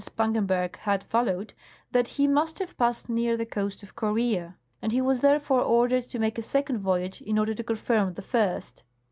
Spangenberg had followed that he must have passed near the coast of Corea, and he was therefore ordered to make a second voyage in order to confirm the first.